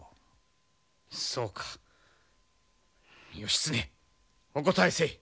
そうか義経お答えせい。